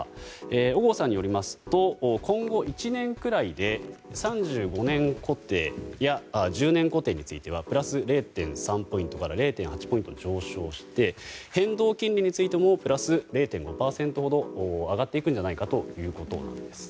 淡河さんによりますと今後１年くらいで３５年固定や１０年固定についてはプラス０．３ポイントから０．８ポイント上昇して変動金利についてもプラス０．５％ほど上がっていくんじゃないかということです。